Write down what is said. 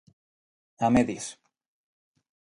A medias.